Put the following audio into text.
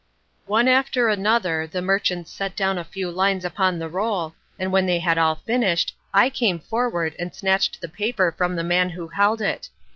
One after another the merchants set down a few lines upon the roll, and when they had all finished, I came forward, and snatched the paper from the man who held it.